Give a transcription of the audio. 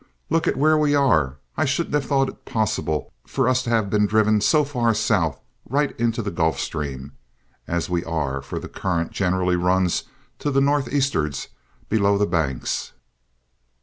"Look where we are! I shouldn't have thought it possible for us to have been driven so far south, right into the Gulf Stream, as we are, for the current generally runs to the nor' east'ards below the Banks."